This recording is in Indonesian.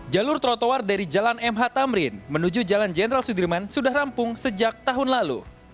jalur trotoar dari jalan mh tamrin menuju jalan jenderal sudirman sudah rampung sejak tahun lalu